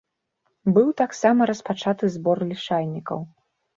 Быў таксама распачаты збор лішайнікаў.